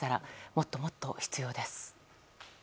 もっともっと必要です。